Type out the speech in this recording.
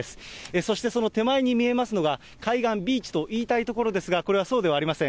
そしてその手前に見えますのが、海岸、ビーチと言いたいところですが、これはそうではありません。